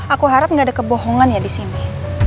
aku harap gak ada kebohongan ya disini